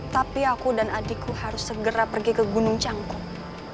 tapi aku dan adikku harus segera pergi ke gunung cangkok